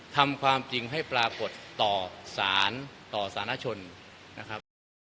ทำความจริงให้ปรากฏต่อสารต่อสารชนนะครับ